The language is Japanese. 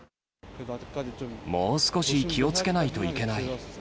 もう少し気をつけないといけない。